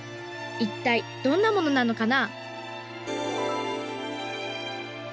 一体どんなものなのかな？